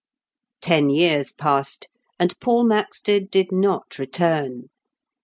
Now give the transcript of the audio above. Ten years passed, and Paul Maxted did not return.